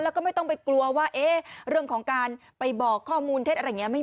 แล้วก็ไม่ต้องไปกลัวว่าเอ๊ะเรื่องของการไปบอกข้อมูลเท็จอะไรอย่างนี้